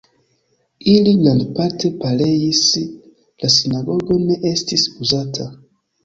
Ili grandparte pereis, la sinagogo ne estis uzata.